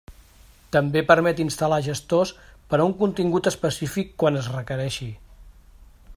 També permet instal·lar gestors per a un contingut específic quan es requereixi.